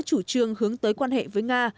chủ trương hướng tới quan hệ với nga